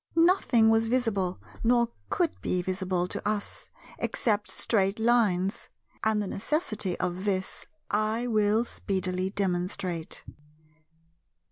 Nothing was visible, nor could be visible, to us, except Straight Lines; and the necessity of this I will speedily demonstrate.